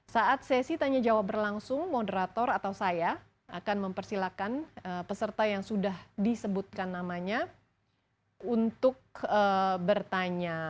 saat sesi tanya jawab berlangsung moderator atau saya akan mempersilahkan peserta yang sudah disebutkan namanya untuk bertanya